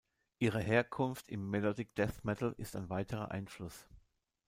Ihre Herkunft im Melodic Death Metal ist ein weiterer Einfluss.